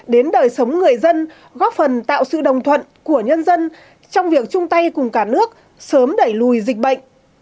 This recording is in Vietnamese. đến đời sống người dân góp phần tạo sự đồng thuận của nhân dân trong việc chung tay cùng cả nước sớm đẩy lùi dịch bệnh